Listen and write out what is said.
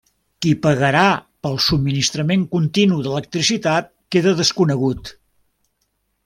Qui pagarà pel subministrament continu d'electricitat queda desconegut.